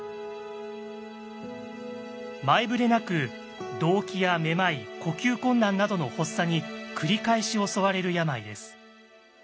前触れなく動悸やめまい呼吸困難などの発作に繰り返し襲われる病です。